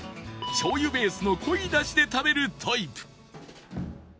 醤油ベースの濃いだしで食べるタイプ